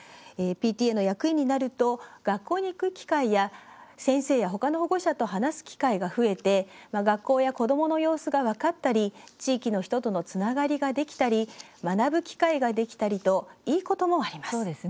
ＰＴＡの役員になると学校に行く機会や、先生やほかの保護者と話す機会が増えて学校や子どもの様子が分かったり地域の人とのつながりができたり学ぶ機会ができたりといいこともあります。